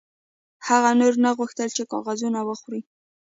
هغه نور نه غوښتل چې کاغذونه وخوري